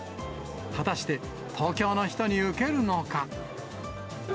果たして東京の人に受けるのか。